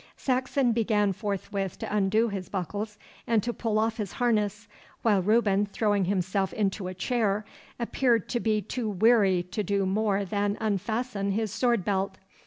Saxon began forthwith to undo his buckles and to pull off his harness, while Reuben, throwing himself into a chair, appeared to be too weary to do more than unfasten his sword belt.